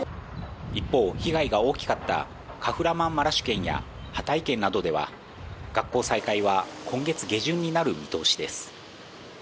一方、被害が大きかったカフラマンマラシュ県やハタイ県などでは学校再開は今月下旬になる見通しです。